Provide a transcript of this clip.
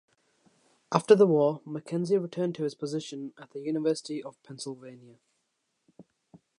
After the war, McKenzie returned to his position at the University of Pennsylvania.